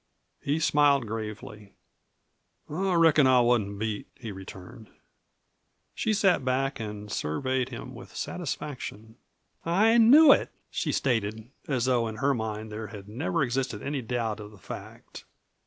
He smiled gravely. "I reckon I wasn't beat," he returned. She sat back and surveyed him with satisfaction. "I knew it," she stated, as though in her mind there had never existed any doubt of the fact.